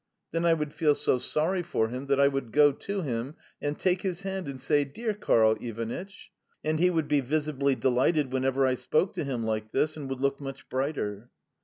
Then I would feel so sorry for him that I would go to him, and take his hand, and say, "Dear Karl Ivanitch!" and he would be visibly delighted whenever I spoke to him like this, and would look much brighter.